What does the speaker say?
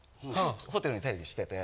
ホテルに待機してて。